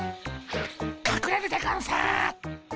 かくれるでゴンス。